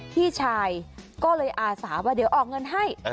พี่ชายก็เลยอาสาว่าเดี๋ยวออกเงินให้